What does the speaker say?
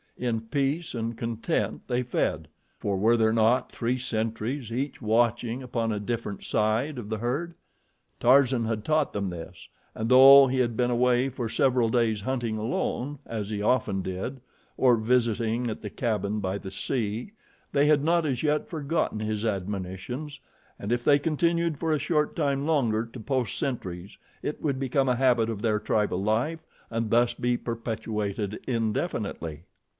In peace and content they fed, for were there not three sentries, each watching upon a different side of the herd? Tarzan had taught them this, and though he had been away for several days hunting alone, as he often did, or visiting at the cabin by the sea, they had not as yet forgotten his admonitions, and if they continued for a short time longer to post sentries, it would become a habit of their tribal life and thus be perpetuated indefinitely.